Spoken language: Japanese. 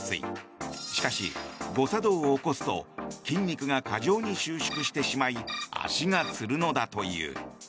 しかし、誤作動を起こすと筋肉が過剰に収縮してしまい足がつるのだという。